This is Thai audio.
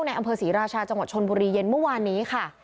ในอำเภอศรีราชาจังหวัดชนบุรีเย็นเมื่อวานนี้ค่ะ